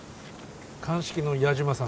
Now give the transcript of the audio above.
鑑識の矢島さん